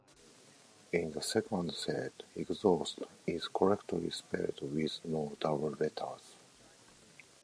In the second set, "exhaust" is correctly spelled with no double letters.